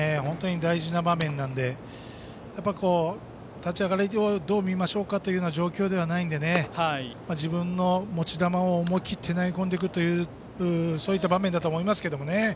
大事な場面なので立ち上がりをどう見ましょうかという状況じゃないので自分の持ち球を思い切って投げ込んでいくという場面だと思いますけどね。